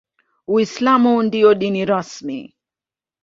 Uislamu ndio dini rasmi.